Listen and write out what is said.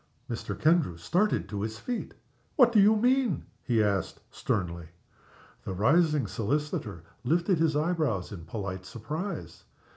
Mr. Kendrew started to his feet. "What do you mean?" he asked, sternly. The rising solicitor lifted his eyebrows in polite surprise.